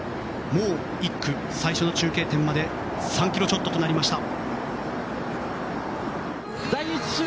もう１区、最初の中継点まで３ｋｍちょっととなりました。